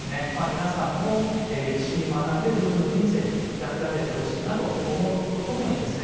皆さんも歴史に学んで自分の人生に役立ててほしいなと思うとともにですね